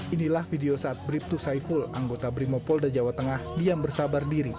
inilah video saat bribtu saiful anggota brimopolda jawa tengah diam bersabar diri